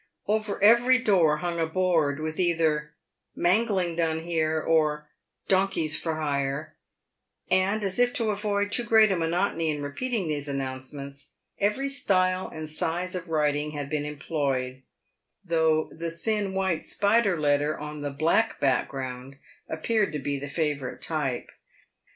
Over •every door hung a board with either " Mangling done here," or " Donkeys for hire ;" and, as if to avoid too great a monotony in re peating these announcements, every style and size of writing had been employed, though the thin white spider letter on the black ground appeared to be the favourite type.